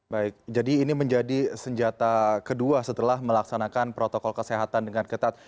baik jadi ini menjadi senjata kedua setelah melaksanakan protokol kesehatan dengan ketat